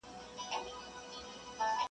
o زه به مي تندی نه په تندي به تېشه ماته کړم,